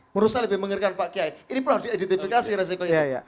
menurut saya lebih mengerikan pak yai ini pun harus dieditifikasi resikonya